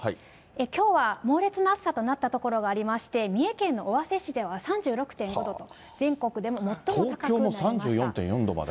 きょうは猛烈な暑さとなった所がありまして、三重県の尾鷲市では３６．５度と、全国でも最も暑くなりました。